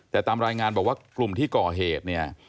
แต่ตามรายงานบอกว่ากลุ่มที่ก่อเหตุเนี่ย